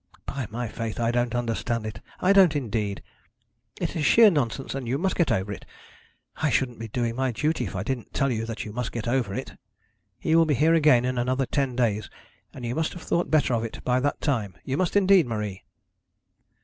'By my faith I don't understand it. I don't indeed. It is sheer nonsense, and you must get over it. I shouldn't be doing my duty if I didn't tell you that you must get over it. He will be here again in another ten days, and you must have thought better of it by that time. You must indeed, Marie.'